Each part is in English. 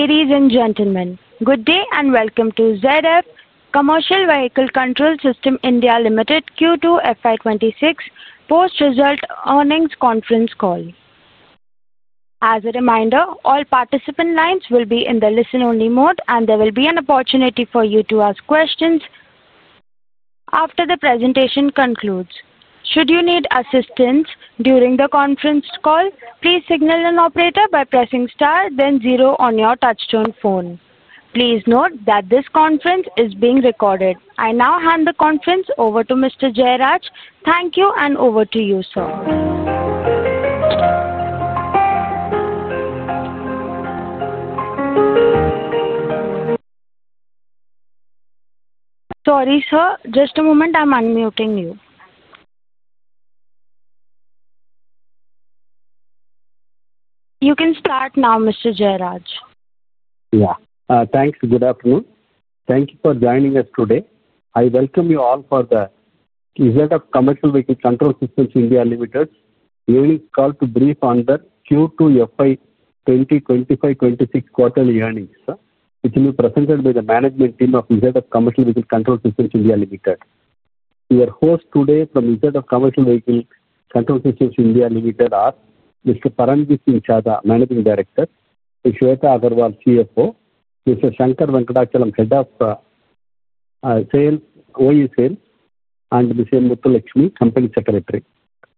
Ladies and gentlemen, good day and welcome to ZF Commercial Vehicle Control Systems India Limited Q2 FY 2026 Post-Result Earnings Conference Call. As a reminder, all participant lines will be in the listen-only mode, and there will be an opportunity for you to ask questions. After the presentation concludes, should you need assistance during the conference call, please signal an operator by pressing Star, then Zero on your touch-tone phone. Please note that this conference is being recorded. I now hand the conference over to Mr. Jayaraj. Thank you, and over to you, sir. Sorry, sir. Just a moment, I'm unmuting you. You can start now, Mr. Jayaraj. Yeah. Thanks. Good afternoon. Thank you for joining us today. I welcome you all for the ZF Commercial Vehicle Control Systems India Limited Earnings Call to brief on the Q2 FY 2025 2026 quarterly earnings, which will be presented by the management team of ZF Commercial Vehicle Control Systems India Limited. Our hosts today from ZF Commercial Vehicle Control Systems India Limited are Mr. Paramjit Singh Chadha, Managing Director; Ms. Shweta Agarwal, CFO; Mr. Shankar Venkatachalam, Head of Sales, OE Sales, and Ms. M. Muthulakshmi, Company Secretary.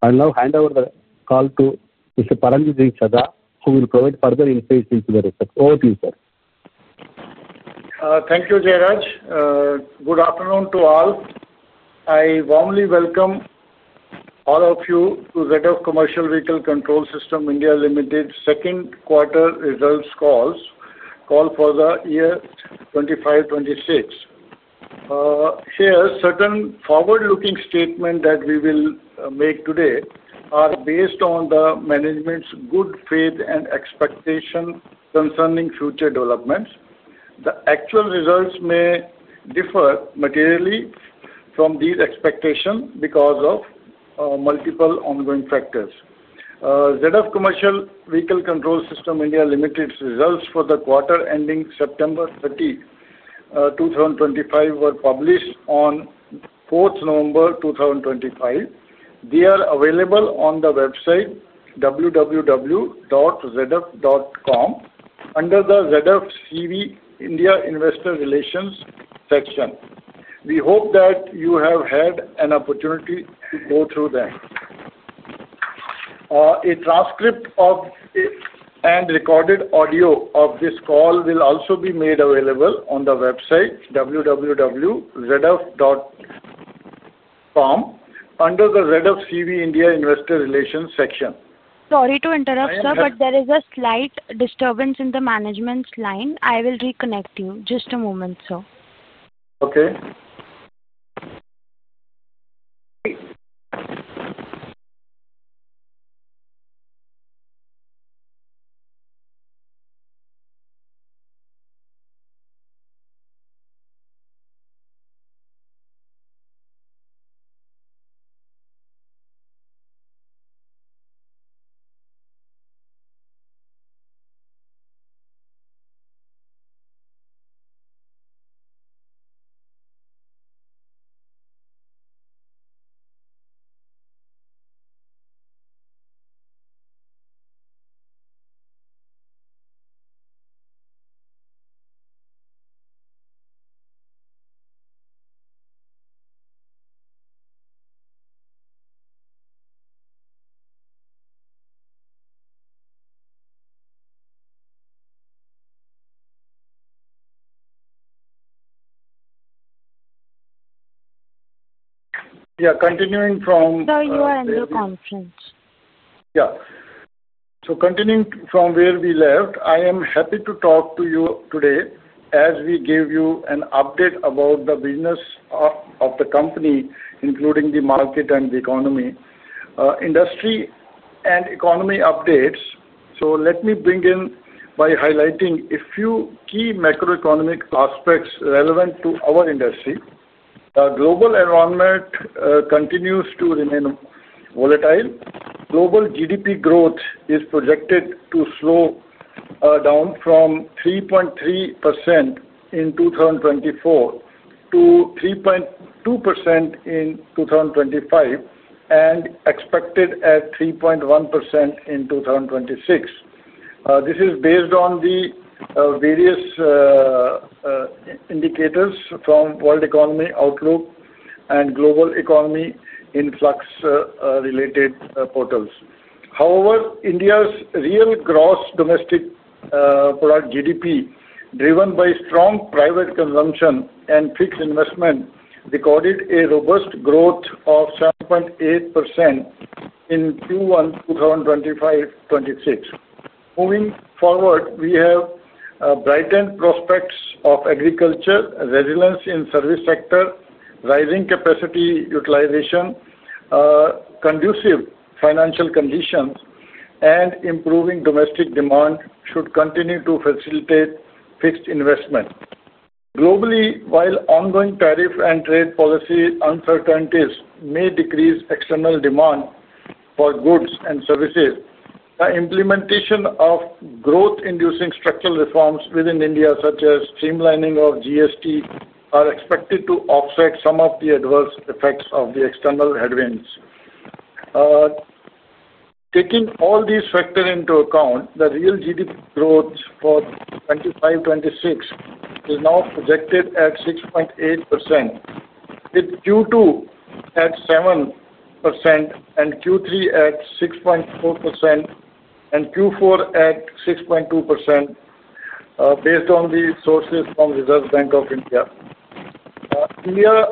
I now hand over the call to Mr. Paramjit Singh Chadha, who will provide further insights into the results. Over to you, sir. Thank you, Jayaraj. Good afternoon to all. I warmly welcome all of you to ZF Commercial Vehicle Control Systems India Limited's second quarter results call, called for the year 2025, 2026. Here, certain forward-looking statements that we will make today are based on the management's good faith and expectation concerning future developments. The actual results may differ materially from these expectations because of multiple ongoing factors. ZF Commercial Vehicle Control Systems India Limited's results for the quarter ending September 30, 2025 were published on November 4, 2025. They are available on the website, www.zf.com, under the ZF CV India Investor Relations section. We hope that you have had an opportunity to go through them. A transcript of and recorded audio of this call will also be made available on the website, www.zf.com, under the ZF CV India Investor Relations section. Sorry to interrupt, sir, but there is a slight disturbance in the management's line. I will reconnect you. Just a moment, sir. Okay. Yeah. Continuing from. Now you are in the conference. Yeah. Continuing from where we left, I am happy to talk to you today as we give you an update about the business of the company, including the market and the economy. Industry and economy updates. Let me begin by highlighting a few key macroeconomic aspects relevant to our industry. The global environment continues to remain volatile. Global GDP growth is projected to slow down from 3.3% in 2024 to 3.2% in 2025 and expected at 3.1% in 2026. This is based on the various indicators from World Economy Outlook and Global Economy Influx Related Portals. However, India's real gross domestic product GDP, driven by strong private consumption and fixed investment, recorded a robust growth of 7.8% in Q1 2025-2026. Moving forward, we have brightened prospects of agriculture, resilience in the service sector, rising capacity utilization. Conducive financial conditions, and improving domestic demand should continue to facilitate fixed investment. Globally, while ongoing tariff and trade policy uncertainties may decrease external demand for goods and services, the implementation of growth-inducing structural reforms within India, such as streamlining of GST, is expected to offset some of the adverse effects of the external headwinds. Taking all these factors into account, the real GDP growth for 2025-2026 is now projected at 6.8%, with Q2 at 7%, Q3 at 6.4%, and Q4 at 6.2%, based on the sources from the Reserve Bank of India. India.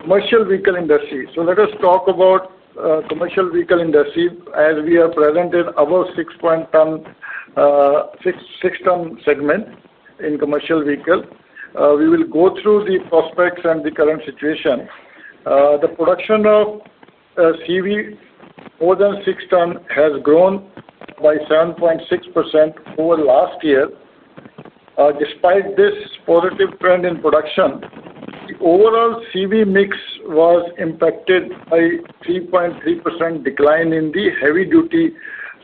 Commercial Vehicle Industry. Let us talk about the commercial vehicle industry as we are presented above 6.6 ton segment in commercial vehicles. We will go through the prospects and the current situation. The production of CV more than 6 tons has grown by 7.6% over last year. Despite this positive trend in production, the overall CV mix was impacted by a 3.3% decline in the heavy-duty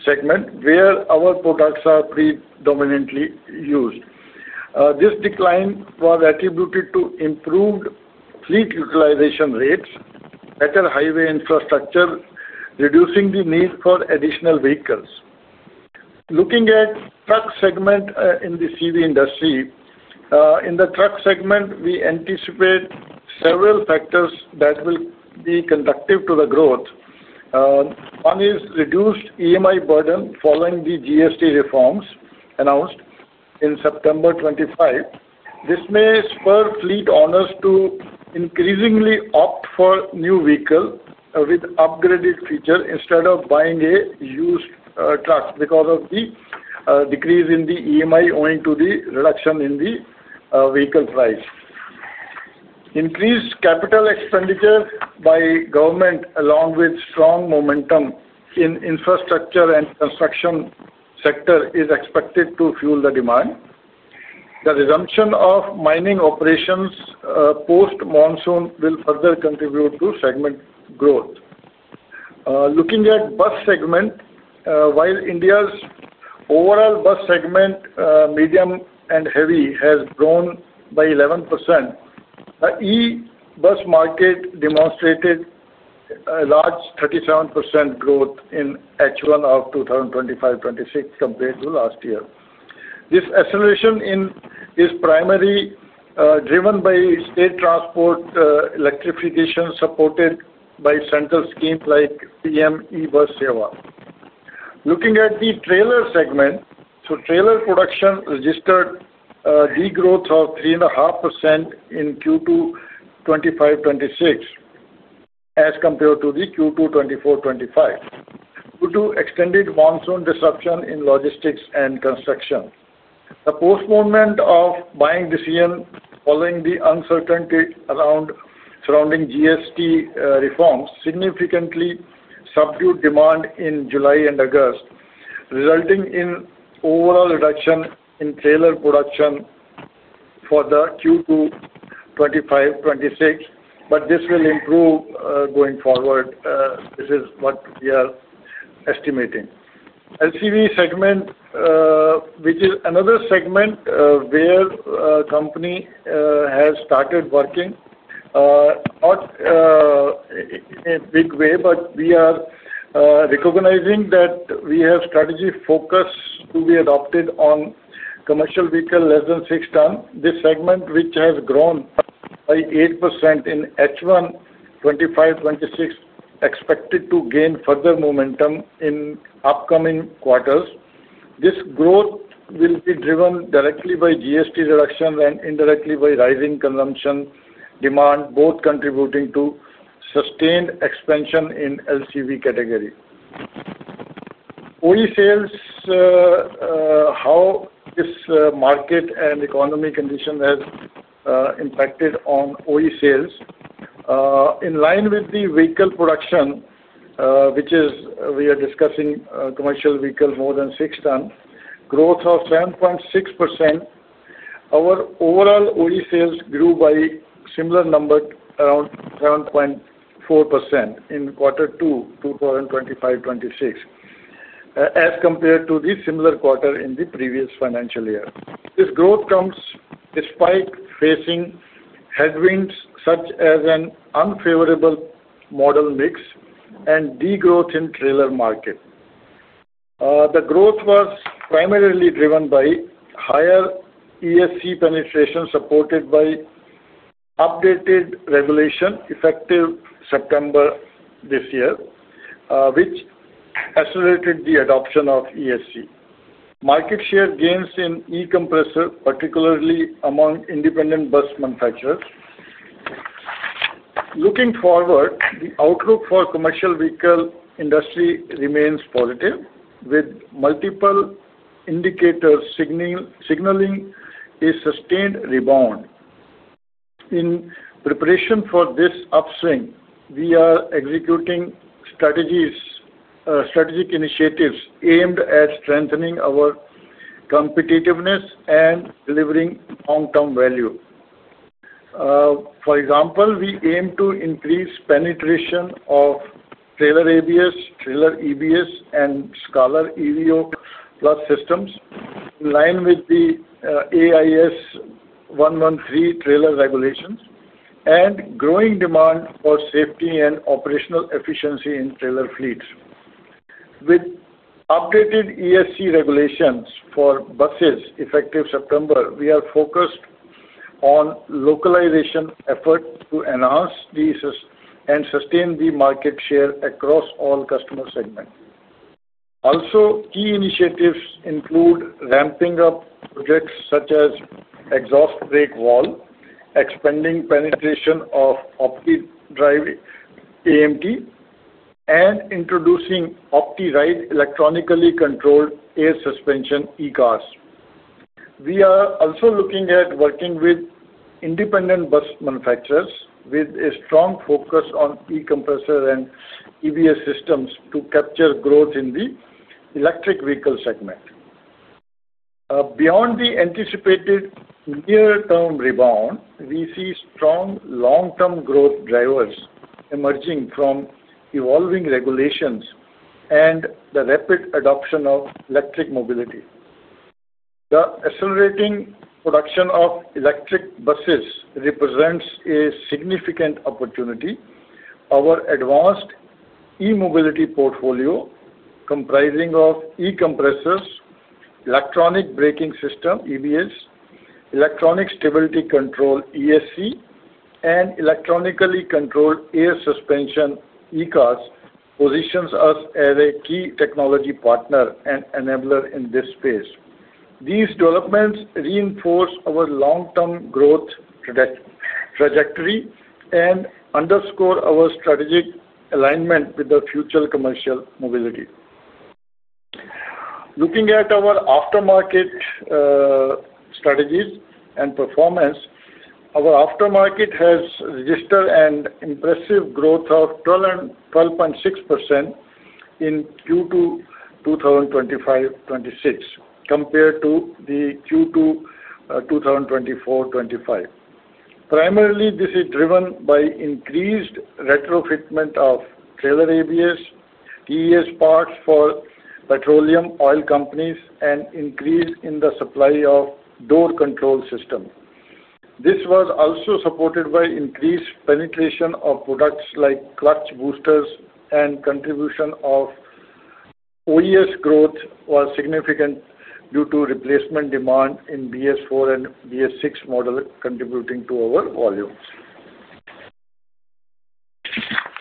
segment, where our products are predominantly used. This decline was attributed to improved fleet utilization rates, better highway infrastructure, reducing the need for additional vehicles. Looking at the truck segment in the CV industry, in the truck segment, we anticipate several factors that will be conducive to the growth. One is reduced EMI burden following the GST reforms announced in September 2025. This may spur fleet owners to increasingly opt for new vehicles with upgraded features instead of buying a used truck because of the decrease in the EMI owing to the reduction in the vehicle price. Increased capital expenditure by the government, along with strong momentum in the infrastructure and construction sector, is expected to fuel the demand. The resumption of mining operations post-monsoon will further contribute to segment growth. Looking at the bus segment, while India's overall bus segment, medium and heavy, has grown by 11%. The e-bus market demonstrated a large 37% growth in H1 of 2025-2026 compared to last year. This acceleration is primarily driven by state transport electrification supported by central schemes like PM E-Bus SEVA. Looking at the trailer segment, trailer production registered a degrowth of 3.5% in Q2 2025-2026 as compared to Q2 2024-2025 due to extended monsoon disruption in logistics and construction. The postponement of buying decision following the uncertainty surrounding GST reforms significantly subdued demand in July and August, resulting in overall reduction in trailer production for Q2 2025-2026. This will improve going forward. This is what we are estimating. LCV segment, which is another segment where the company has started working. Not in a big way, but we are. Recognizing that we have a strategy focus to be adopted on commercial vehicles less than 6 tons. This segment, which has grown by 8% in H1 2025-2026, is expected to gain further momentum in the upcoming quarters. This growth will be driven directly by GST reduction and indirectly by rising consumption demand, both contributing to sustained expansion in the LCV category. OE Sales. How this market and economy condition has impacted on OE Sales. In line with the vehicle production. Which we are discussing, commercial vehicles more than 6 tons, growth of 7.6%. Our overall OE Sales grew by a similar number, around 7.4%, in Q2 2025-2026. As compared to the similar quarter in the previous financial year. This growth comes despite facing headwinds such as an unfavorable model mix and degrowth in the trailer market. The growth was primarily driven by higher ESC penetration supported by. Updated regulation effective September this year, which accelerated the adoption of ESC. Market share gains in e-compressors, particularly among independent bus manufacturers. Looking forward, the outlook for the commercial vehicle industry remains positive, with multiple indicators signaling a sustained rebound. In preparation for this upswing, we are executing strategic initiatives aimed at strengthening our competitiveness and delivering long-term value. For example, we aim to increase penetration of trailer ABS, trailer EBS, and Scholar EVO Plus systems in line with the AIS 113 trailer regulations and growing demand for safety and operational efficiency in trailer fleets. With updated ESC regulations for buses effective September, we are focused on localization efforts to enhance these and sustain the market share across all customer segments. Also, key initiatives include ramping up projects such as exhaust brake valves, expanding penetration of OptiDrive AMT, and introducing OptiRide electronically controlled air suspension e-cars. We are also looking at working with independent bus manufacturers with a strong focus on e-compressor and EVS systems to capture growth in the electric vehicle segment. Beyond the anticipated near-term rebound, we see strong long-term growth drivers emerging from evolving regulations and the rapid adoption of electric mobility. The accelerating production of electric buses represents a significant opportunity. Our advanced e-mobility portfolio, comprising of e-compressors, electronic braking system (EBS), electronic stability control (ESC), and electronically controlled air suspension e-cars, positions us as a key technology partner and enabler in this space. These developments reinforce our long-term growth trajectory and underscore our strategic alignment with the future commercial mobility. Looking at our aftermarket strategies and performance, our aftermarket has registered an impressive growth of 12.6% in Q2 2025-2026 compared to Q2 2024-2025. Primarily, this is driven by increased retrofitment of trailer ABS, ES parts for petroleum oil companies, and an increase in the supply of door control systems. This was also supported by increased penetration of products like clutch boosters, and contribution of. OES growth was significant due to replacement demand in BS4 and BS6 models, contributing to our volumes.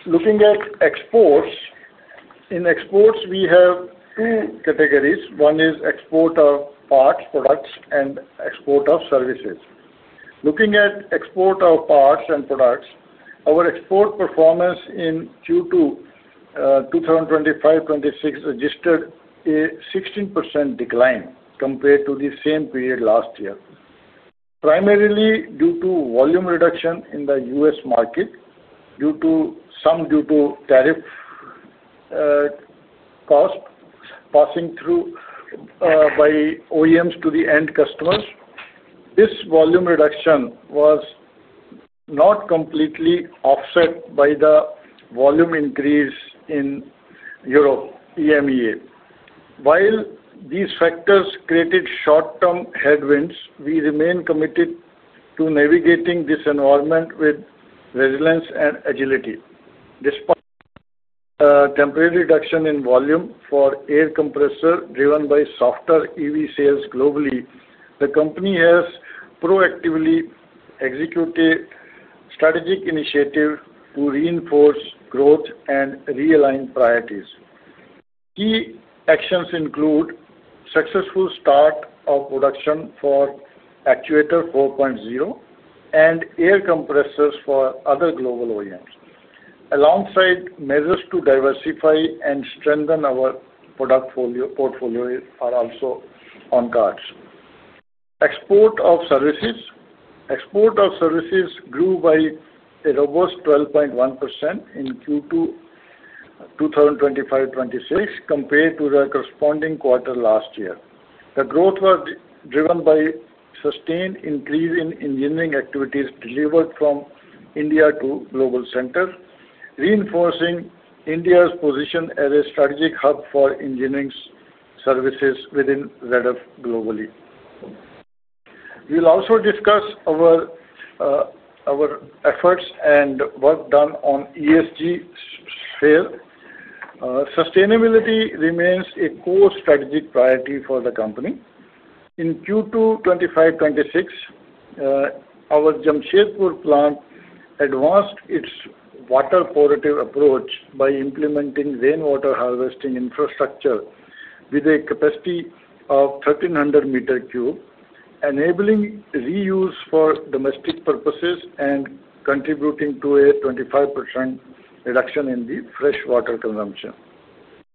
Looking at exports. In exports, we have two categories. One is export of parts, products, and export of services. Looking at export of parts and products, our export performance in Q2 2025-2026 registered a 16% decline compared to the same period last year. Primarily due to volume reduction in the U.S. market, some due to tariff. Costs passing through. By OEMs to the end customers. This volume reduction was not completely offset by the volume increase in Europe (EMEA). While these factors created short-term headwinds, we remain committed to navigating this environment with resilience and agility. Despite temporary reduction in volume for air compressors driven by softer EV sales globally, the company has proactively executed strategic initiatives to reinforce growth and realign priorities. Key actions include successful start of production for Actuator 4.0 and air compressors for other global OEMs. Alongside measures to diversify and strengthen our portfolio, portfolios are also on cards. Export of services grew by a robust 12.1% in Q2 2025-2026 compared to the corresponding quarter last year. The growth was driven by a sustained increase in engineering activities delivered from India to global centers, reinforcing India's position as a strategic hub for engineering services within ZF globally. We will also discuss our efforts and work done on the ESG sphere. Sustainability remains a core strategic priority for the company in Q2 2025-2026. Our Jamshedpur plant advanced its water-portable approach by implementing rainwater harvesting infrastructure with a capacity of 1,300 m cubed, enabling reuse for domestic purposes and contributing to a 25% reduction in the freshwater consumption.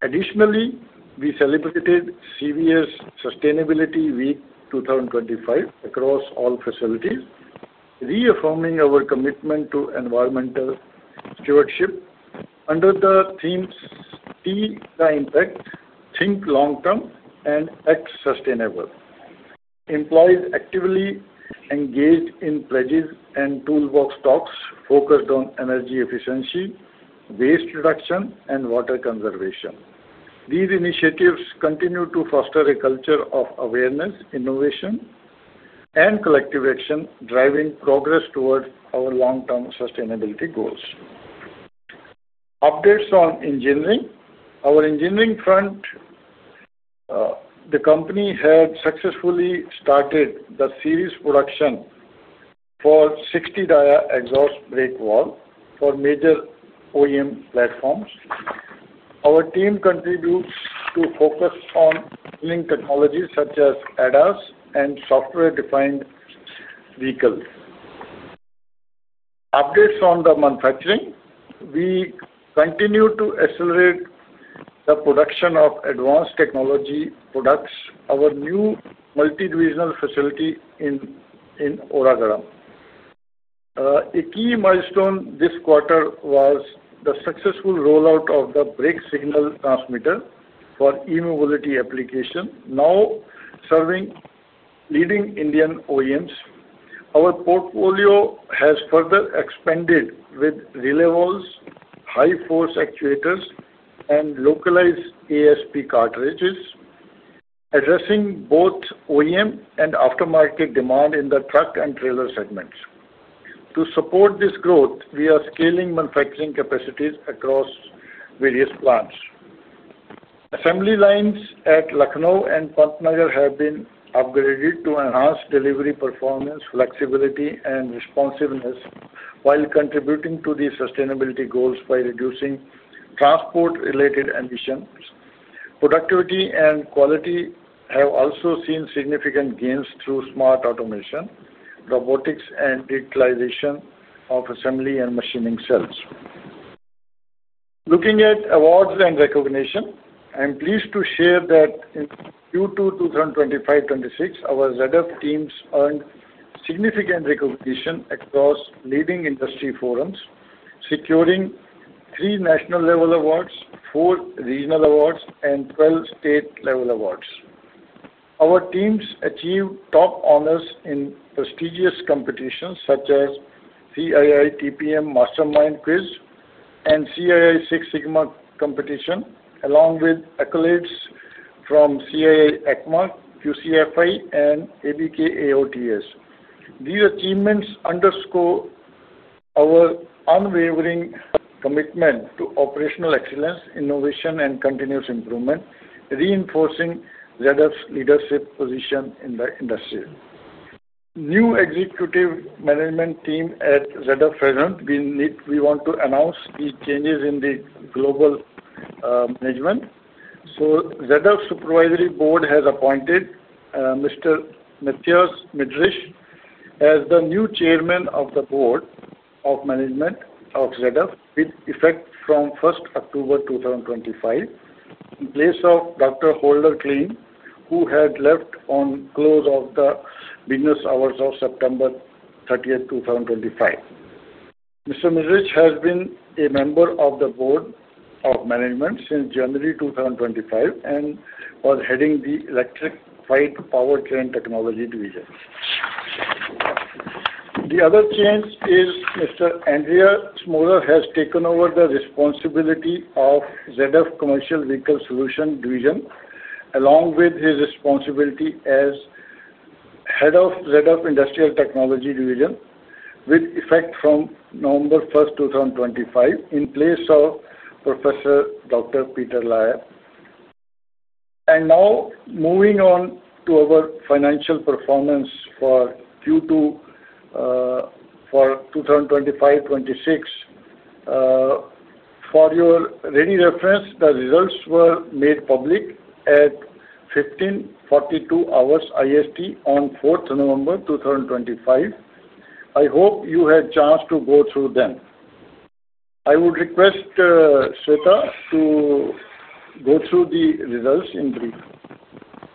Additionally, we celebrated CVS Sustainability Week 2025 across all facilities, reaffirming our commitment to environmental stewardship under the themes, "Think the impact, think long-term, and act sustainably." Employees actively engaged in pledges and toolbox talks focused on energy efficiency, waste reduction, and water conservation. These initiatives continue to foster a culture of awareness, innovation, and collective action, driving progress towards our long-term sustainability goals. Updates on engineering. Our engineering front. The company had successfully started the series production for 60-tier exhaust brake valves for major OEM platforms. Our team contributes to focus on technologies such as ADAS and software-defined vehicles. Updates on the manufacturing. We continue to accelerate the production of advanced technology products, our new multi-regional facility in Oragadam. A key milestone this quarter was the successful rollout of the brake signal transmitter for e-mobility application, now serving leading Indian OEMs. Our portfolio has further expanded with relay valves, high-force actuators, and localized ASP cartridges, addressing both OEM and aftermarket demand in the truck and trailer segments. To support this growth, we are scaling manufacturing capacities across various plants. Assembly lines at Lucknow and Pantnagar have been upgraded to enhance delivery performance, flexibility, and responsiveness, while contributing to the sustainability goals by reducing transport-related emissions. Productivity and quality have also seen significant gains through smart automation, robotics, and digitalization of assembly and machining cells. Looking at awards and recognition, I'm pleased to share that. In Q2 2025-26, our ZF teams earned significant recognition across leading industry forums, securing three national-level awards, four regional awards, and 12 state-level awards. Our teams achieved top honors in prestigious competitions such as CII TPM Mastermind Quiz and CII Six Sigma Competition, along with accolades from CII ECMA, QCFI, and ABK AOTS. These achievements underscore our unwavering commitment to operational excellence, innovation, and continuous improvement, reinforcing ZF's leadership position in the industry. New executive management team at ZF present. We want to announce these changes in the global management. ZF Supervisory Board has appointed Mr. Mathias Miedrich as the new Chairman of the Board of Management of ZF, with effect from 1 October 2025, in place of Dr. Holger Klein, who had left on close of the business hours of September 30, 2025. Mr. Miedrich has been a member of the Board of Management since January 2025 and was heading the Electric Flight Powertrain Technology Division. The other change is Mr. Andrea Smaller has taken over the responsibility of ZF Commercial Vehicle Solutions Division, along with his responsibility as Head of ZF Industrial Technology Division, with effect from November 1, 2025, in place of Professor Dr. Peter Layer. Now moving on to our financial performance for Q2 2025-2026. For your ready reference, the results were made public at 15:42 hours IST on 4 November 2025. I hope you had a chance to go through them. I would request Shweta to go through the results in brief.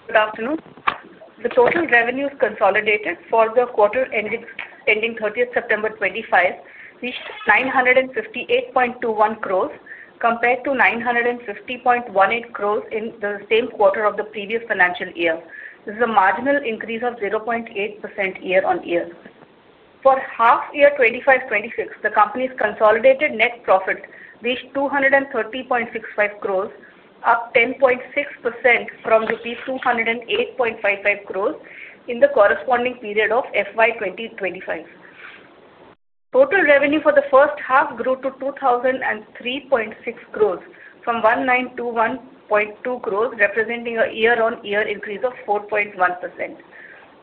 Good afternoon. The total revenues consolidated for the quarter ending 30 September 2025 reached 958.21 crores compared to 950.18 crores in the same quarter of the previous financial year. This is a marginal increase of 0.8% year on year. For half year 2025-2026, the company's consolidated net profit reached 230.65 crores, up 10.6% from rupees 208.55 crores in the corresponding period of FY 2025. Total revenue for the first half grew to 2,003.6 crores, from 1,921.2 crores, representing a year-on-year increase of 4.1%.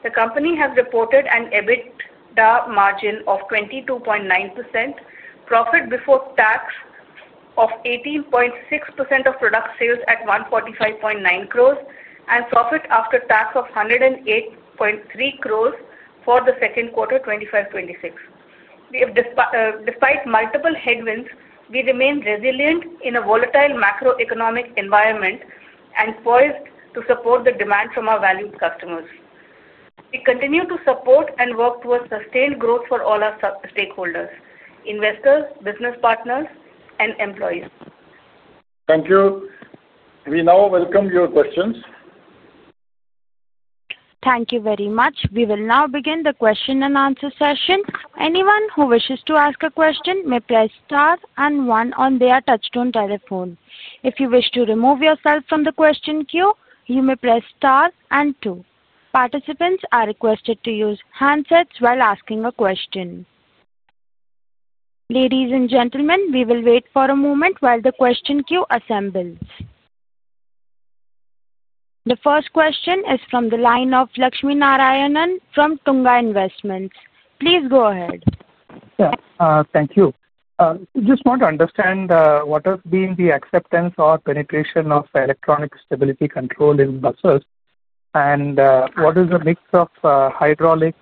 The company has reported an EBITDA margin of 22.9%, profit before tax of 18.6% of product sales at 145.9 crores, and profit after tax of 108.3 crores for the second quarter 2025-2026. Despite multiple headwinds, we remain resilient in a volatile macroeconomic environment and poised to support the demand from our valued customers. We continue to support and work towards sustained growth for all our stakeholders, investors, business partners, and employees. Thank you. We now welcome your questions. Thank you very much. We will now begin the question and answer session. Anyone who wishes to ask a question may press star and one on their touchstone telephone. If you wish to remove yourself from the question queue, you may press star and two. Participants are requested to use handsets while asking a question. Ladies and gentlemen, we will wait for a moment while the question queue assembles. The first question is from the line of Lakshmi Narayanan from Tunga Investments. Please go ahead. Yeah, thank you. I just want to understand what has been the acceptance or penetration of electronic stability control in buses, and what is the mix of hydraulic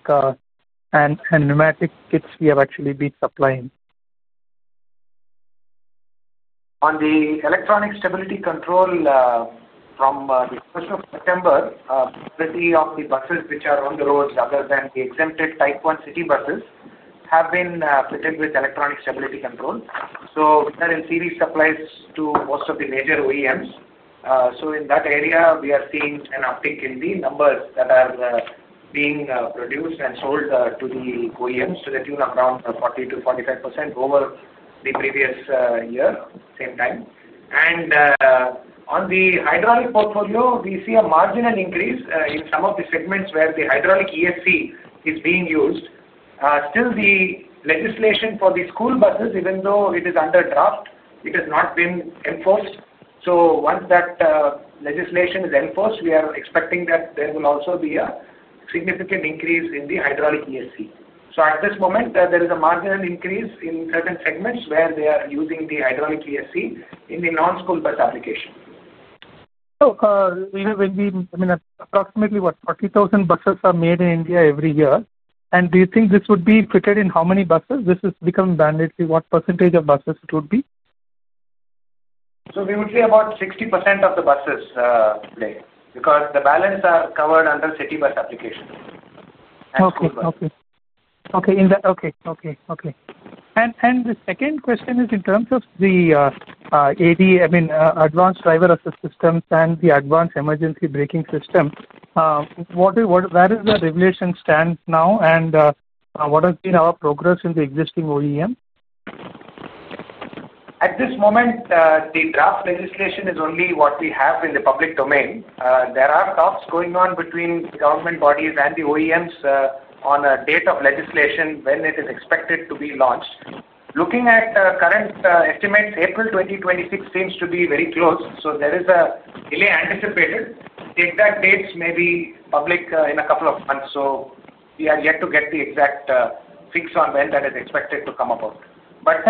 and pneumatic kits we have actually been supplying? On the electronic stability control, from the first of September, the majority of the buses which are on the roads, other than the exempted Type 1 city buses, have been fitted with electronic stability control. We are in series supplies to most of the major OEMs. In that area, we are seeing an uptick in the numbers that are being produced and sold to the OEMs, to the tune of around 40%-45% over the previous year, same time. On the hydraulic portfolio, we see a marginal increase in some of the segments where the hydraulic ESC is being used. Still, the legislation for the school buses, even though it is under draft, has not been enforced. Once that legislation is enforced, we are expecting that there will also be a significant increase in the hydraulic ESC. At this moment, there is a marginal increase in certain segments where they are using the hydraulic ESC in the non-school bus application. I mean, approximately what, 40,000 buses are made in India every year. Do you think this would be fitted in how many buses? This is becoming banded to what % of buses it would be? We would say about 60% of the buses, because the balance are covered under city bus application. Okay. The second question is in terms of the AD, I mean, advanced driver assist systems and the advanced emergency braking system, where does the regulation stand now, and what has been our progress in the existing OEM? At this moment, the draft legislation is only what we have in the public domain. There are talks going on between the government bodies and the OEMs on a date of legislation when it is expected to be launched. Looking at current estimates, April 2026 seems to be very close. There is a delay anticipated. The exact dates may be public in a couple of months. We are yet to get the exact fix on when that is expected to come about.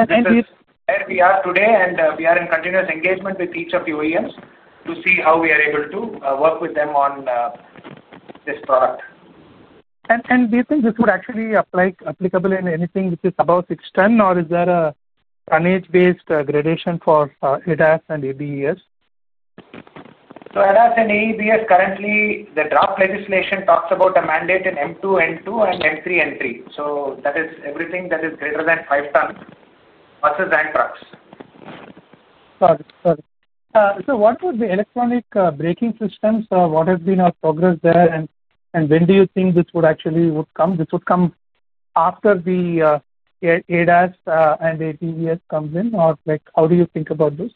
Thank you. Where we are today, we are in continuous engagement with each of the OEMs to see how we are able to work with them on this product. Do you think this would actually be applicable in anything which is above 6 ton, or is there a tonnage-based gradation for ADAS and ABES? ADAS and ABES, currently, the draft legislation talks about a mandate in M2 and M3. That is everything that is greater than 5 ton, buses and trucks. Got it, got it. What would the electronic braking systems, what has been our progress there, and when do you think this would actually come? This would come after the. ADAS and ABES comes in, or how do you think about this?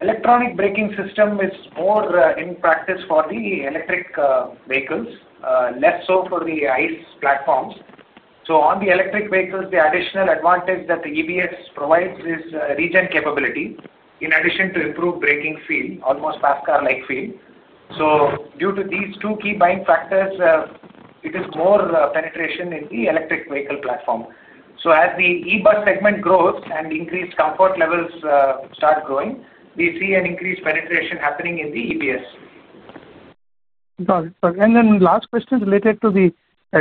Electronic braking system is more in practice for the electric vehicles, less so for the ICE platforms. On the electric vehicles, the additional advantage that the EBS provides is regent capability, in addition to improved braking feel, almost fast car-like feel. Due to these two key buying factors, it is more penetration in the electric vehicle platform. As the e-bus segment grows and increased comfort levels start growing, we see an increased penetration happening in the EBS. Got it, got it. Last question related to the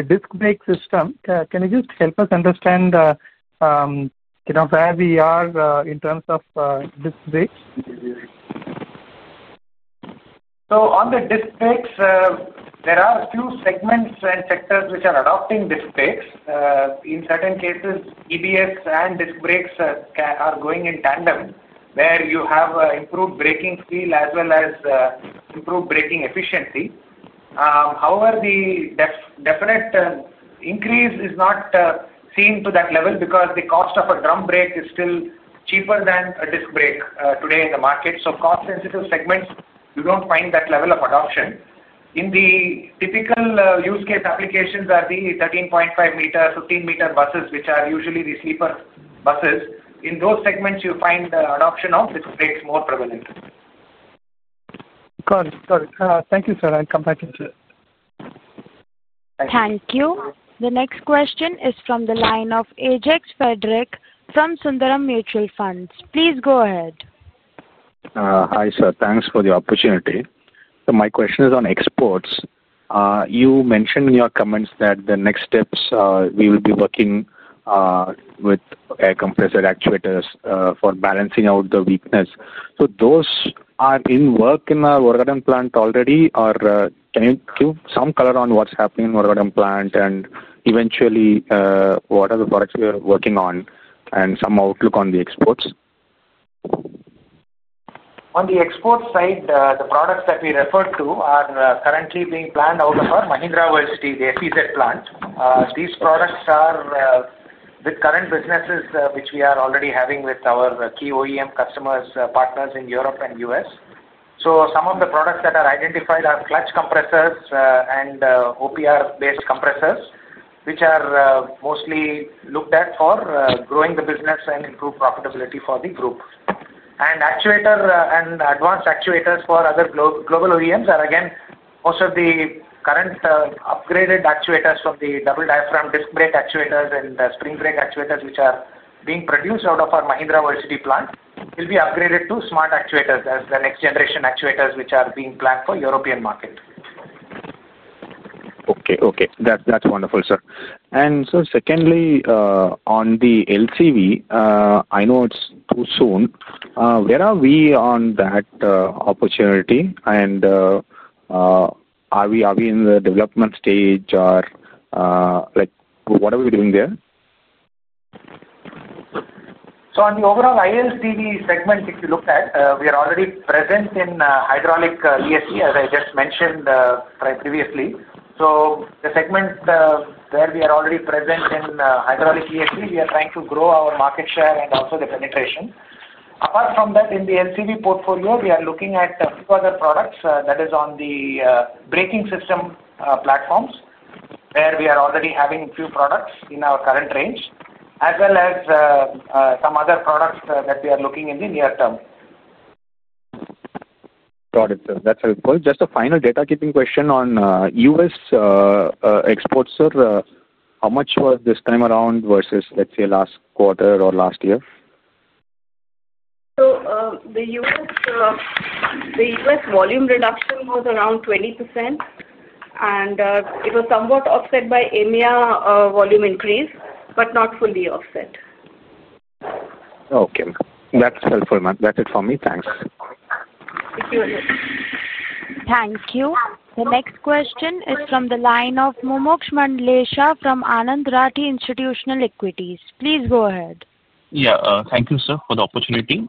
disc brake system. Can you just help us understand. Where we are in terms of disc brakes? On the disc brakes, there are a few segments and sectors which are adopting disc brakes. In certain cases, EBS and disc brakes are going in tandem, where you have improved braking feel as well as improved braking efficiency. However, the definite increase is not seen to that level because the cost of a drum brake is still cheaper than a disc brake today in the market. In cost-sensitive segments, you do not find that level of adoption. The typical use case applications are the 13.5 m, 15 m buses, which are usually the sleeper buses. In those segments, you find the adoption of disc brakes more prevalent. Got it, got it. Thank you, sir. I'll come back into it. Thank you. The next question is from the line of Ajox Fredrick from Sundaram Mutual Funds. Please go ahead. Hi, sir. Thanks for the opportunity. My question is on exports. You mentioned in your comments that the next steps we will be working. With air compressor actuators for balancing out the weakness. Those are in work in our Oragadam plant already. Can you give some color on what's happening in the Oragadam plant and eventually what are the products we are working on and some outlook on the exports? On the export side, the products that we referred to are currently being planned out of our Mahindra Valsity, the FEZ plant. These products are with current businesses which we are already having with our key OEM customers, partners in Europe and US. Some of the products that are identified are clutch compressors and OPR-based compressors, which are mostly looked at for growing the business and improved profitability for the group. Actuator and advanced actuators for other global OEMs are again, most of the current upgraded actuators from the double diaphragm disc brake actuators and spring brake actuators which are being produced out of our Mahindra Valsity plant will be upgraded to smart actuators as the next generation actuators which are being planned for European market. Okay, okay. That is wonderful, sir. Secondly, on the LCV, I know it is too soon. Where are we on that opportunity? Are we in the development stage or what are we doing there? On the overall ILCV segment, if you look at it, we are already present in hydraulic ESC, as I just mentioned previously. The segment where we are already present in hydraulic ESC, we are trying to grow our market share and also the penetration. Apart from that, in the LCV portfolio, we are looking at a few other products that are on the braking system platforms, where we are already having a few products in our current range, as well as some other products that we are looking in the near term. Got it, sir. That's helpful. Just a final data-keeping question on U.S. exports, sir. How much was this time around versus, let's say, last quarter or last year? So the U.S. volume reduction was around 20%. And it was somewhat offset by EMEA volume increase, but not fully offset. Okay. That's helpful, man. That's it for me. Thanks. Thank you very much. Thank you. The next question is from the line of Mumuksh Mandlesha from Anand Rathi Institutional Equities. Please go ahead. Yeah, thank you, sir, for the opportunity.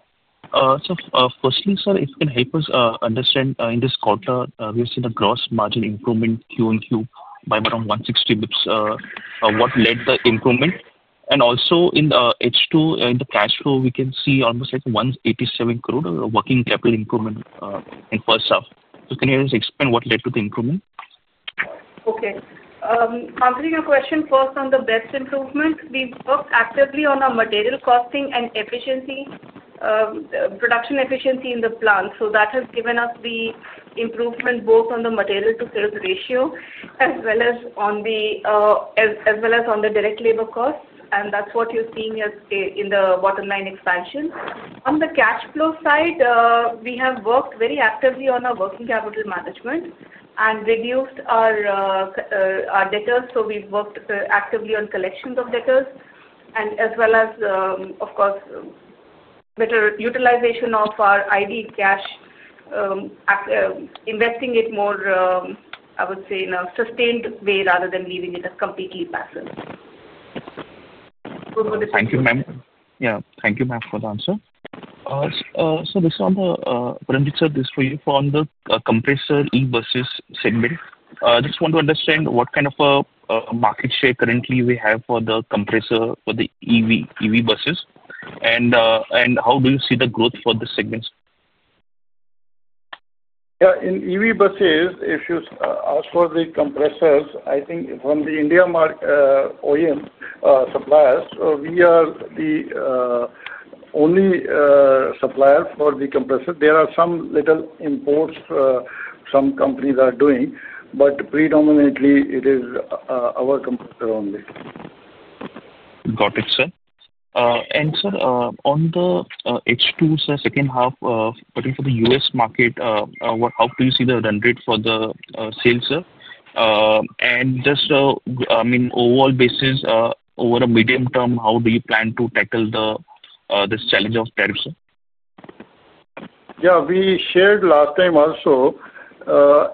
Firstly, sir, if you can help us understand, in this quarter, we've seen a gross margin improvement Q1Q by around 160 basis points. What led the improvement? Also, in H2, in the cash flow, we can see almost 187 crore working capital improvement in first half. Can you just explain what led to the improvement? Okay. Answering your question first on the basis points improvement, we've worked actively on our material costing and efficiency, production efficiency in the plant. That has given us the improvement both on the material-to-sales ratio as well as on the direct labor costs. That's what you're seeing in the bottom line expansion. On the cash flow side, we have worked very actively on our working capital management and reduced our details. We've worked actively on collections of details, and as well as, of course. Better utilization of our idle cash. Investing it more, I would say, in a sustained way rather than leaving it completely passive. Thank you, ma'am. Yeah, thank you, ma'am, for the answer. This is on the, when we said this for you, for on the compressor e-buses segment, I just want to understand what kind of a market share currently we have for the compressor for the EV buses, and how do you see the growth for the segments? Yeah, in EV buses, if you ask for the compressors, I think from the India OEM suppliers, we are the only supplier for the compressor. There are some little imports some companies are doing, but predominantly it is our compressor only. Got it, sir. And sir, on the H2, sir, second half, particularly for the U.S. market, how do you see the run rate for the sales, sir? Just, I mean, overall basis, over a medium term, how do you plan to tackle this challenge of tariffs, sir? Yeah, we shared last time also.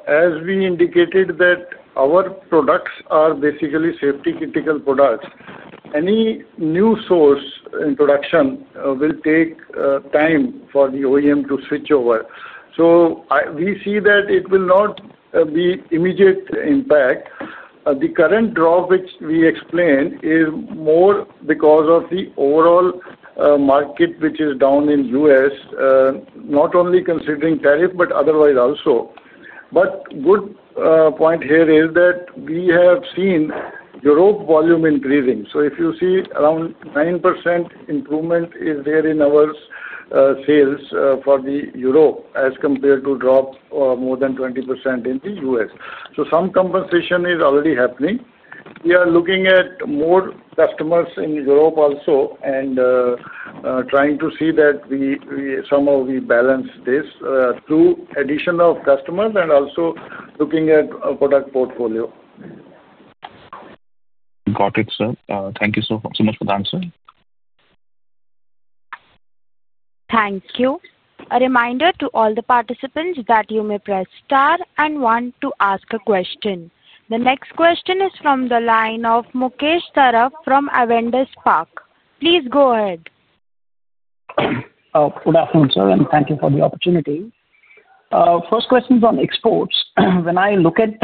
As we indicated, our products are basically safety-critical products, any new source introduction will take time for the OEM to switch over. We see that it will not be an immediate impact. The current draw, which we explain, is more because of the overall market, which is down in the U.S., not only considering tariff, but otherwise also. A good point here is that we have seen Europe volume increasing. If you see, around 9% improvement is there in our sales for Europe as compared to a drop of more than 20% in the U.S. Some compensation is already happening. We are looking at more customers in Europe also and. Trying to see that somehow we balance this through addition of customers and also looking at product portfolio. Got it, sir. Thank you so much for the answer. Thank you. A reminder to all the participants that you may press star and one to ask a question. The next question is from the line of Mukesh Tharap from Avendus Park. Please go ahead. Good afternoon, sir, and thank you for the opportunity. First question is on exports. When I look at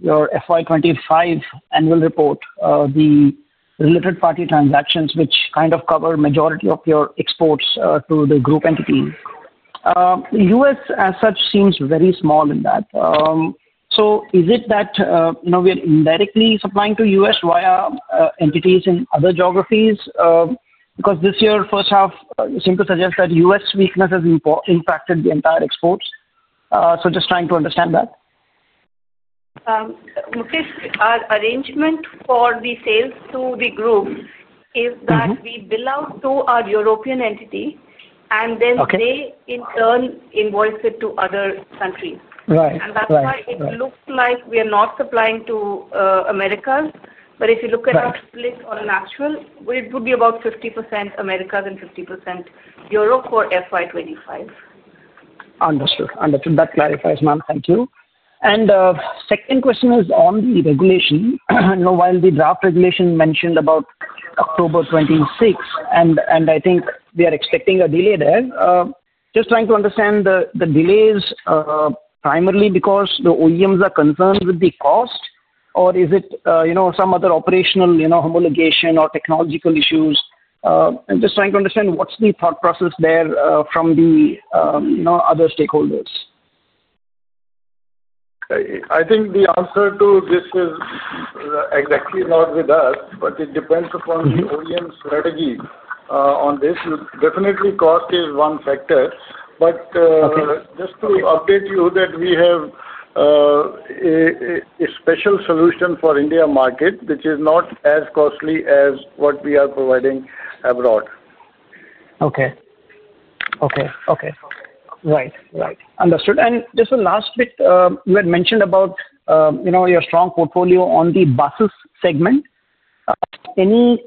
your FY 2025 annual report, the related party transactions, which kind of cover majority of your exports to the group entity. The U.S., as such, seems very small in that. Is it that we are indirectly supplying to U.S. via entities in other geographies? Because this year, first half, it seemed to suggest that U.S. weakness has impacted the entire exports. Just trying to understand that. Mukesh, our arrangement for the sales to the group is that we bill out to our European entity, and then they in turn invoice it to other countries. That's why it looks like we are not supplying to America. If you look at our split on an actual, it would be about 50% America and 50% Europe for FY 2025. Understood. Understood. That clarifies, ma'am. Thank you. Second question is on the regulation. While the draft regulation mentioned about October 2026, and I think we are expecting a delay there, just trying to understand the delays. Primarily because the OEMs are concerned with the cost, or is it some other operational homologation or technological issues? I'm just trying to understand what's the thought process there from the other stakeholders. I think the answer to this is. Exactly not with us, but it depends upon the OEM strategy on this. Definitely, cost is one factor. But just to update you that we have a special solution for India market, which is not as costly as what we are providing abroad. Okay. Okay. Okay. Right. Right. Understood. Just the last bit, you had mentioned about your strong portfolio on the buses segment. Any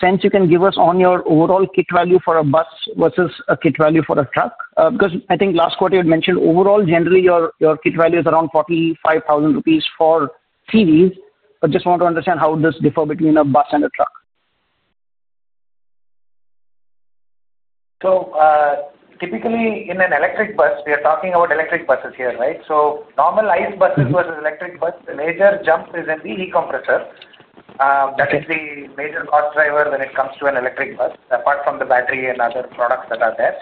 sense you can give us on your overall kit value for a bus versus a kit value for a truck? Because I think last quarter you had mentioned overall, generally, your kit value is around 45,000 rupees for CVs. I just want to understand how this differs between a bus and a truck. Typically, in an electric bus, we are talking about electric buses here, right? Normal ICE buses versus electric buses, the major jump is in the e-compressor. That is the major cost driver when it comes to an electric bus, apart from the battery and other products that are there.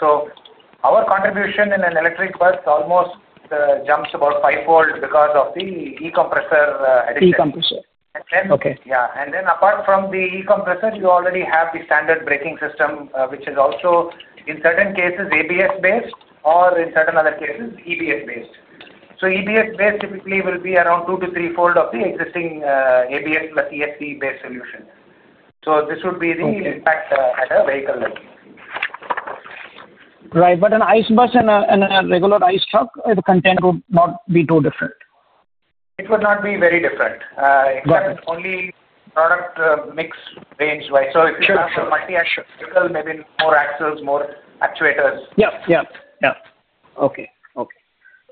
Our contribution in an electric bus almost jumps about five-fold because of the e-compressor addition. E-compressor. Yeah. Apart from the e-compressor, you already have the standard braking system, which is also, in certain cases, ABS-based or in certain other cases, EBS-based. EBS-based typically will be around two- to three-fold of the existing ABS plus ESC-based solution. This would be the impact at a vehicle level. Right. An ICE bus and a regular ICE truck, it would not be too different. It would not be very different, except only product mix range-wise. If you have a multi-action vehicle, maybe more axles, more actuators. Yeah. Yeah. Okay. Okay.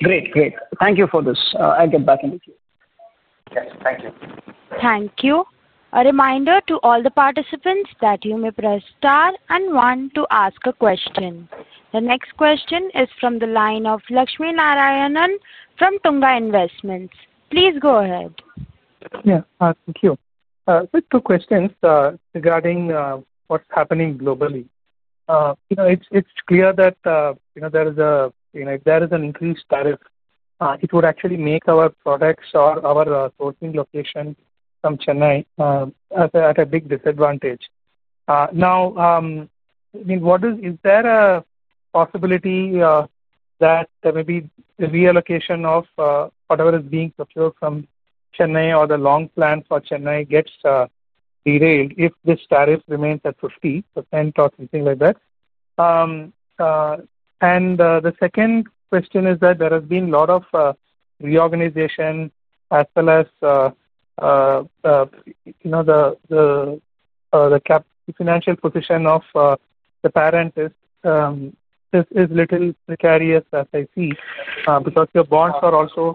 Great. Thank you for this. I'll get back in with you. Yes.Thank you. Thank you. A reminder to all the participants that you may press star and one to ask a question. The next question is from the line of Lakshmi Narayanan from Tunga Investments. Please go ahead. Yeah. Thank you. First, two questions regarding what's happening globally. It's clear that if there is an increased tariff, it would actually make our products or our sourcing location from Chennai at a big disadvantage. Now, I mean, is there a possibility that maybe the reallocation of whatever is being procured from Chennai or the long plan for Chennai gets derailed if this tariff remains at 50% or something like that? The second question is that there has been a lot of reorganization as well as the financial position of the parent is a little precarious as I see because your bonds are also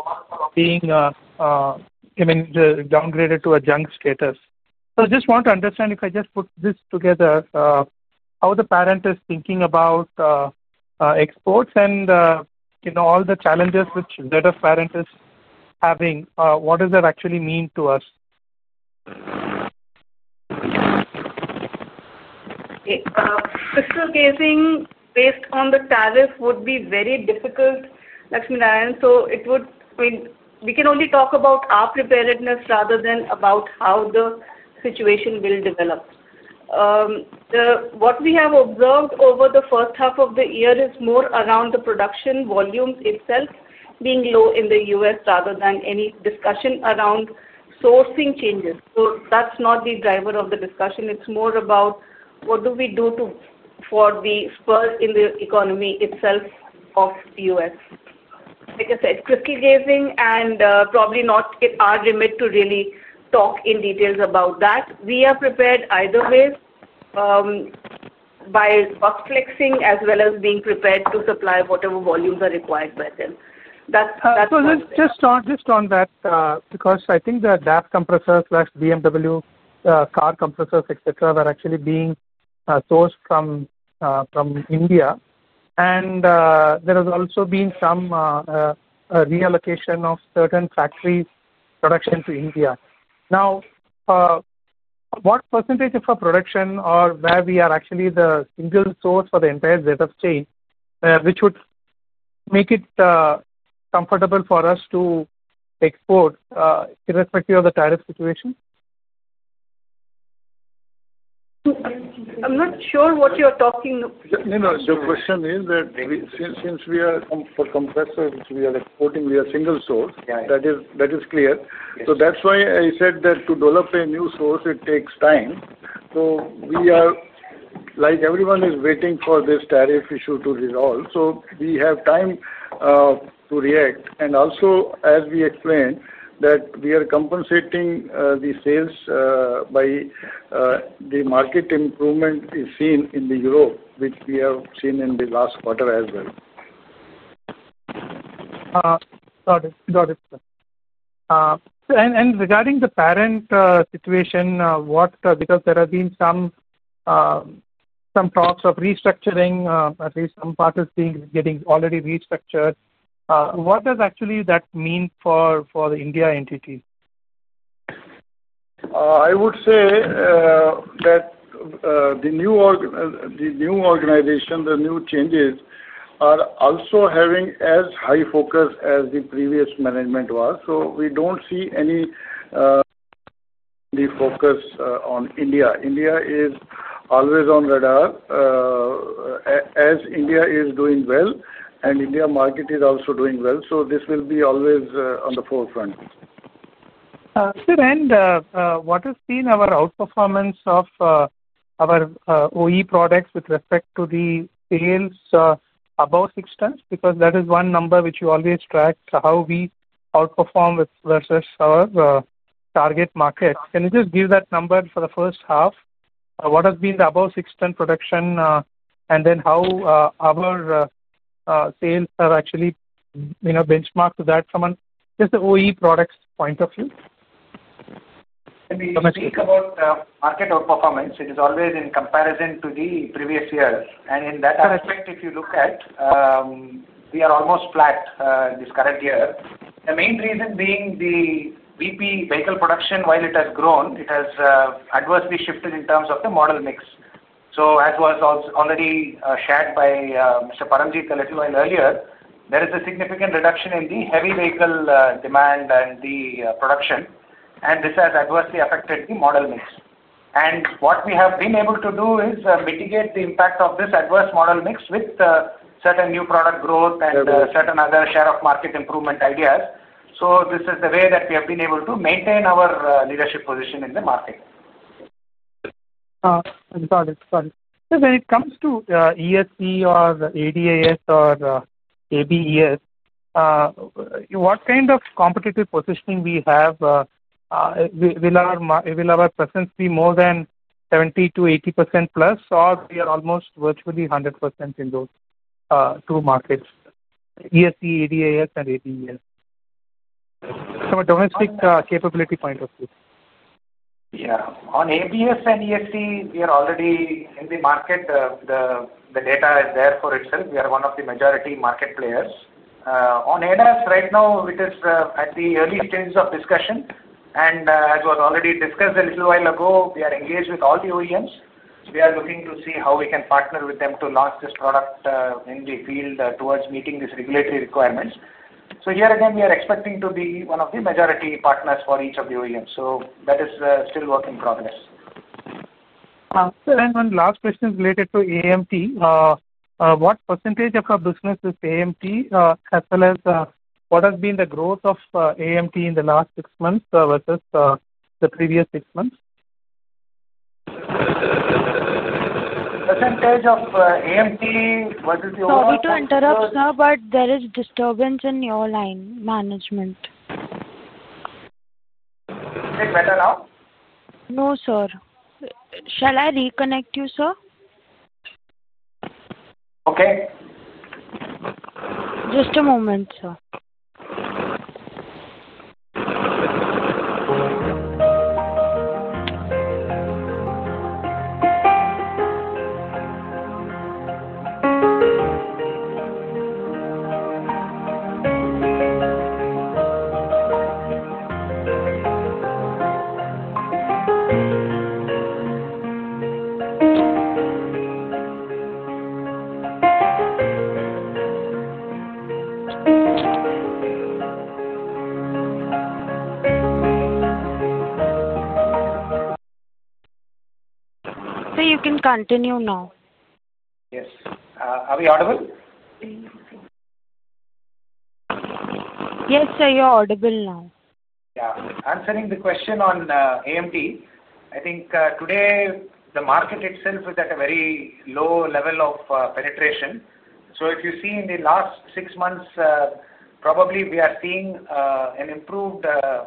being downgraded to a junk status. I just want to understand, if I just put this together, how the parent is thinking about exports and all the challenges which ZF parent is having, what does that actually mean to us? Crystal gazing based on the tariff would be very difficult, Lakshmi Narayanan. It would, I mean, we can only talk about our preparedness rather than about how the situation will develop. What we have observed over the first half of the year is more around the production volume itself being low in the U.S. rather than any discussion around sourcing changes. That is not the driver of the discussion. It is more about what do we do for the spur in the economy itself of the U.S. Like I said, crystal gazing and probably not our limit to really talk in details about that. We are prepared either way. By buck flexing as well as being prepared to supply whatever volumes are required by them. That's what I'm saying. Just on that, because I think the DAF compressors/BMW car compressors, etc., were actually being sourced from India, and there has also been some reallocation of certain factory production to India. Now, what percentage of our production or where we are actually the single source for the entire ZF chain, which would make it comfortable for us to export, irrespective of the tariff situation? I'm not sure what you're talking about. No, no. The question is that since we are for compressors, which we are exporting, we are single source. That is clear. That's why I said that to develop a new source, it takes time. We are like everyone is waiting for this tariff issue to resolve. We have time to react. Also, as we explained, we are compensating the sales by the market improvement we've seen in Europe, which we have seen in the last quarter as well. Got it. Got it. Regarding the parent situation, because there have been some talks of restructuring, at least some part is already restructured, what does actually that mean for the India entity? I would say that the new organization, the new changes are also having as high focus as the previous management was. We don't see any focus on India. India is always on radar, as India is doing well, and India market is also doing well. This will be always on the forefront. Sir, what has been our outperformance of our OE products with respect to the sales above 6 tons? Because that is one number which you always track, how we outperform versus our target market. Can you just give that number for the first half? What has been the above 6 ton production? And then how our sales are actually benchmarked to that from just the OE products point of view? When we speak about market outperformance, it is always in comparison to the previous years. In that aspect, if you look at it, we are almost flat this current year. The main reason being the VP vehicle production, while it has grown, it has adversely shifted in terms of the model mix. As was already shared by Mr. Paramjit a little while earlier, there is a significant reduction in the heavy vehicle demand and the production, and this has adversely affected the model mix. What we have been able to do is mitigate the impact of this adverse model mix with certain new product growth and certain other share of market improvement ideas. This is the way that we have been able to maintain our leadership position in the market. Got it. Got it. Sir, when it comes to ESC or ADAS or ABS, what kind of competitive positioning do we have? Will our presence be more than 70%-80% plus, or are we almost virtually 100% in those two markets, ESC, ADAS, and ABS, from a domestic capability point of view? Y Yeah. On ABS and ESC, we are already in the market. The data is there for itself. We are one of the majority market players. On ADAS right now, it is at the early stages of discussion. As was already discussed a little while ago, we are engaged with all the OEMs. We are looking to see how we can partner with them to launch this product in the field towards meeting these regulatory requirements. Here again, we are expecting to be one of the majority partners for each of the OEMs. That is still a work in progress. Sir, one last question related to AMT. What % of our business is AMT, as well as what has been the growth of AMT in the last six months versus the previous six months? % of AMT, what is your— sorry to interrupt, sir, but there is disturbance in your line management. Is it better now? No, sir. Shall I reconnect you, sir? Okay. Just a moment, sir. Sir, you can continue now. Yes. Are we audible? Yes, sir. You're audible now. Yeah. Answering the question on AMT, I think today the market itself is at a very low level of penetration. If you see in the last six months, probably we are seeing an improved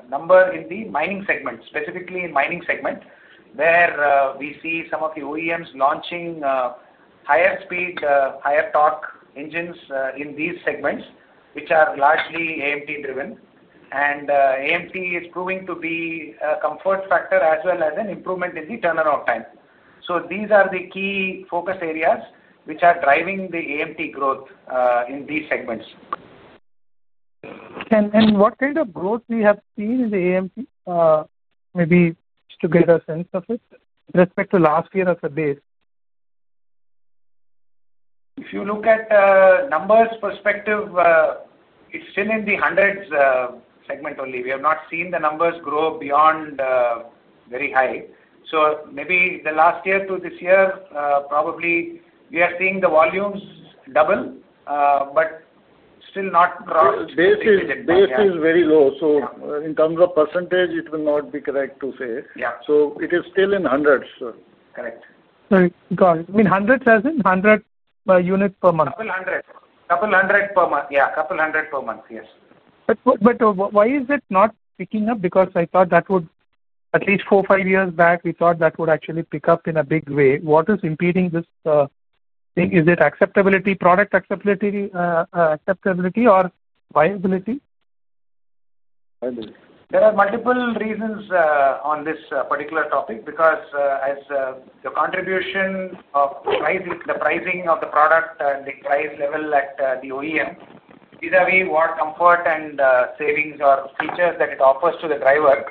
number in the mining segment, specifically in mining segment, where we see some of the OEMs launching higher speed, higher torque engines in these segments, which are largely AMT-driven. AMT is proving to be a comfort factor as well as an improvement in the turnaround time. These are the key focus areas which are driving the AMT growth in these segments. What kind of growth have we seen in the AMT? Maybe just to get a sense of it with respect to last year as a base. If you look at numbers perspective, it is still in the hundreds segment only. We have not seen the numbers grow beyond very high. Maybe the last year to this year, probably we are seeing the volumes double, but still not crossed the hundreds. Base is very low. In terms of %, it will not be correct to say. It is still in hundreds, sir. Correct. Got it. I mean, hundreds as in hundred units per month? Couple hundreds. Couple hundred per month. Yeah. Couple hundred per month, yes. Why is it not picking up? Iwould thought that, at least four, five years back, we thought that would actually pick up in a big way. What is impeding this? Is it acceptability, product acceptability, or viability? There are multiple reasons on this particular topic because as the contribution of the pricing of the product and the price level at the OEM, vis-à-vis what comfort and savings or features that it offers to the driver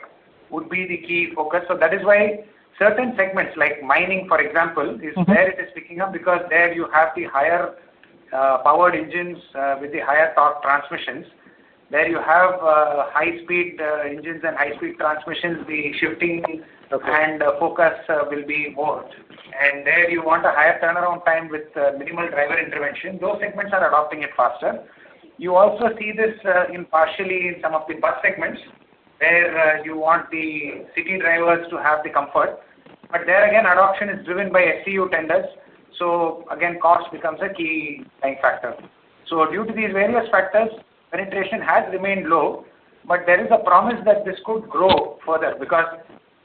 would be the key focus. That is why certain segments like mining, for example, is where it is picking up because there you have the higher powered engines with the higher torque transmissions. There you have high-speed engines and high-speed transmissions. The shifting and focus will be more. There you want a higher turnaround time with minimal driver intervention. Those segments are adopting it faster. You also see this partially in some of the bus segments where you want the city drivers to have the comfort. There again, adoption is driven by FCU tenders. Cost becomes a key factor. Due to these various factors, penetration has remained low, but there is a promise that this could grow further because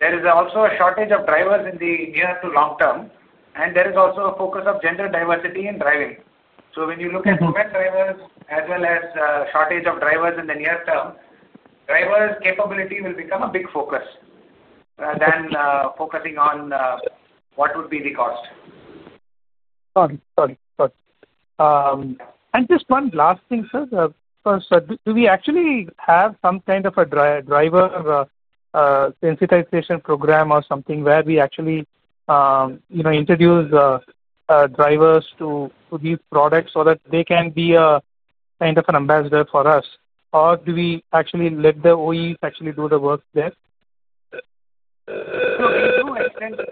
there is also a shortage of drivers in the near to long term, and there is also a focus of gender diversity in driving. When you look at women drivers as well as shortage of drivers in the near term, driver's capability will become a big focus rather than focusing on what would be the cost. Got it. Got it. Got it. Just one last thing, sir. Do we actually have some kind of a driver sensitization program or something where we actually introduce drivers to these products so that they can be a kind of an ambassador for us? Or do we actually let the OEs actually do the work there? We do extensive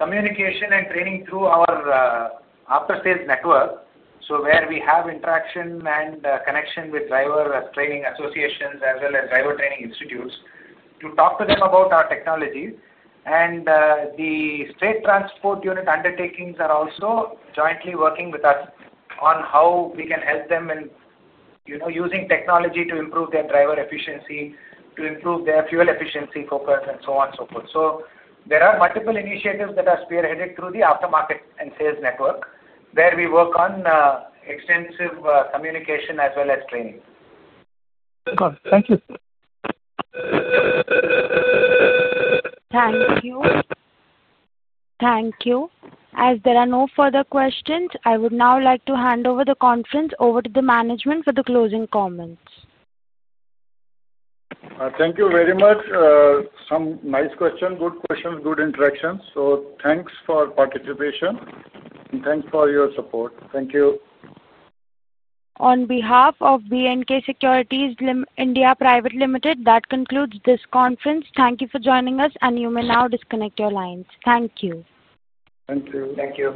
communication and training through our. After-sales network, where we have interaction and connection with driver training associations as well as driver training institutes to talk to them about our technology. The state transport unit undertakings are also jointly working with us on how we can help them in using technology to improve their driver efficiency, to improve their fuel efficiency focus, and so on and so forth. There are multiple initiatives that are spearheaded through the aftermarket and sales network where we work on extensive communication as well as training. Got it. Thank you. Thank you. Thank you. As there are no further questions, I would now like to hand over the conference to the management for the closing comments. Thank you very much. Some nice questions, good questions, good interactions. Thanks for participation, and thanks for your support. Thank you. On behalf of BNK Securities India Private Limited, that concludes this conference. Thank you for joining us, and you may now disconnect your lines. Thank you. Thank you. Thank you.